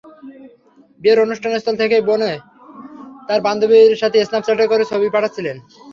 বিয়ের অনুষ্ঠানস্থল থেকেই বোন তাঁর বান্ধবীদের কাছে স্ন্যাপচ্যাটে করে ছবি পাঠাচ্ছিলেন।